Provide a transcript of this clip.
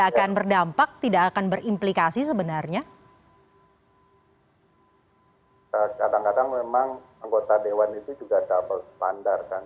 kalau memang ini nanti sudah fix ya antara gerindra dengan apkp